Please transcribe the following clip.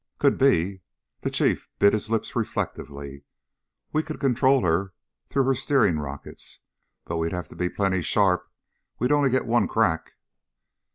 "Could be." The Chief bit his lip reflectively. "We could control her through her steering rockets, but we'd have to be plenty sharp. We'd only get one crack."